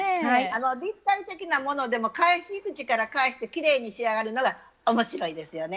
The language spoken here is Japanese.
立体的なものでも返し口から返してきれいに仕上がるのが面白いですよね。